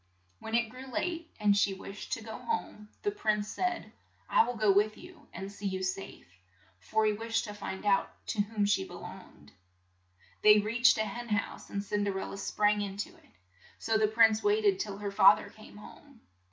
When it grew late and she wished to go home, the prince said, "I will go with you and see you safe," for he wished to find out to whom she be longed. They reached a hen house, and Cin der el la sprang in to it ; so the prince wait ed till her fa ther came home.